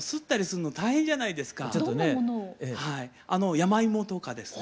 山芋とかですね。